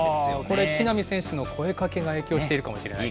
これ、木浪選手の声かけが影響しているかもしれない。